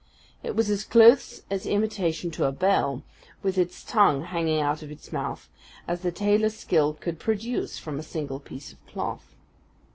It was as close an imitation of a bell, with its tongue hanging out of its mouth, as the tailor's skill could produce from a single piece of cloth.